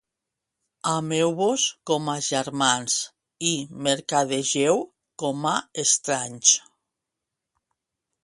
Ameu-vos com a germans i mercadegeu com a estranys.